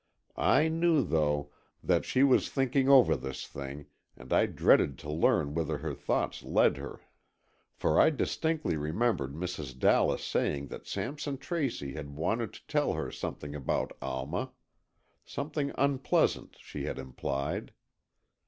I knew, though, that she was thinking over this thing, and I dreaded to learn whither her thoughts led her. For I distinctly remembered Mrs. Dallas saying that Sampson Tracy had wanted to tell her something about Alma, something unpleasant, she had implied.